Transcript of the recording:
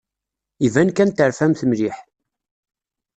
Iban kan terfamt mliḥ.